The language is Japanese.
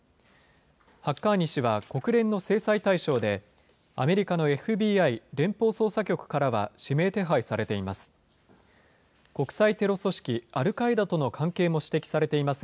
ハッカーニ氏は国連の制裁対象で、アメリカのＦＢＩ・連邦捜査局からは、指名手配されています。